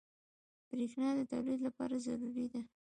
بریښنا د تولید لپاره ضروري ده.